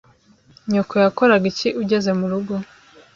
Nyoko yakoraga iki ugeze murugo?